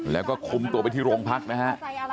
แล้วก็คุมตัวไปที่โรงพักนะฮะ